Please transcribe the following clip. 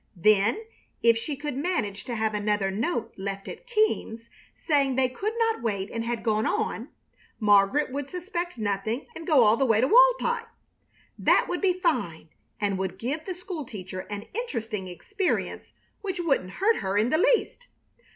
Then if she could manage to have another note left at Keams, saying they could not wait and had gone on, Margaret would suspect nothing and go all the way to Walpi. That would be fine and would give the school teacher an interesting experience which wouldn't hurt her in the least.